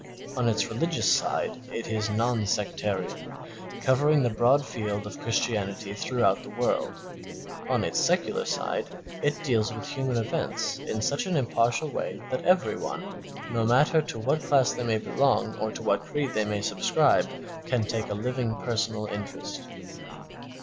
On its religious side it is non sectarian, covering the broad field of Christianity throughout the world; on its secular side it deals with human events in such an impartial way that every one, no matter to what class they may belong or to what creed they may subscribe, can take a living, personal interest.